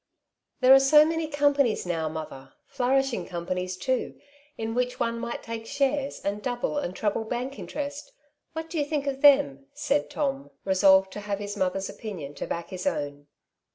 " There are so many companies now, mother, flourishing companies too> in which one might take shares, and donble and treble bank interest. What do you think of them?" said Tom, resolved to have his mother^s opinion to back his own.